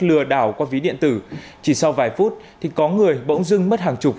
lừa đào qua ví điện tử chỉ sau vài phút có người bỗng dưng mất hàng chục